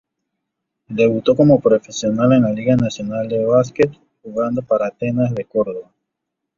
Debutó como profesional en la Liga Nacional de Básquet jugando para Atenas de Córdoba.